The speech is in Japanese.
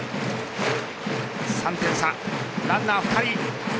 ３点差、ランナー２人。